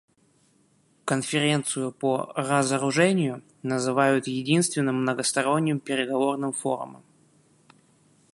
Конференцию по разоружению называют единственным многосторонним переговорным форумом.